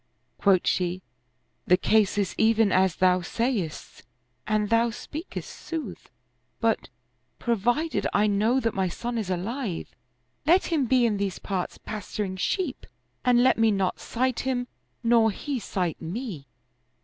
Quoth she, " The case is even as thou sayest and thou speakest sooth; but, pro vided I know that my son is alive, let him be in these parts pasturing sheep and let me not sight him nor he sight me."